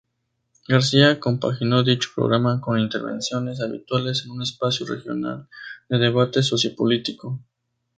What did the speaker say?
García compaginó dicho programa con intervenciones habituales en un espacio regional de debate sociopolítico.